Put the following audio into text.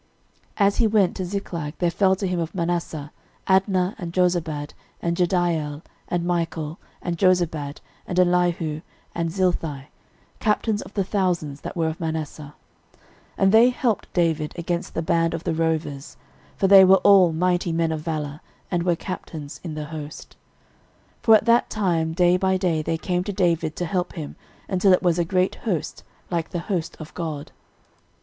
13:012:020 As he went to Ziklag, there fell to him of Manasseh, Adnah, and Jozabad, and Jediael, and Michael, and Jozabad, and Elihu, and Zilthai, captains of the thousands that were of Manasseh. 13:012:021 And they helped David against the band of the rovers: for they were all mighty men of valour, and were captains in the host. 13:012:022 For at that time day by day there came to David to help him, until it was a great host, like the host of God.